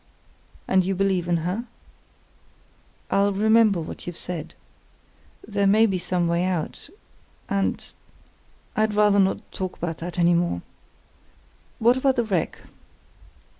"And you believe in her?" "I'll remember what you've said. There may be some way out. And—I'd rather not talk about that any more. What about the wreck?"